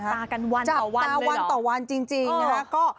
ก็จับตากันวันต่อวันเลยเหรอจับตาวันต่อวันจริงนะครับก็